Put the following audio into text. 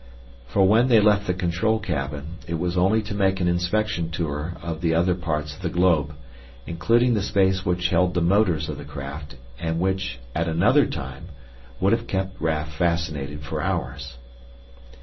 For when they left the control cabin, it was only to make an inspection tour of the other parts of the globe, including the space which held the motors of the craft and which, at another time, would have kept Raf fascinated for hours.